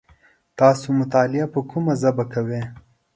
تاسو مطالعه په کومه ژبه کوی ؟